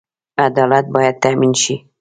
عدالت باید تامین شي